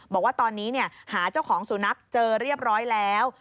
บอกว่าตอนนี้หาเจ้าของสุนัขเจอเรียบร้อยแล้ว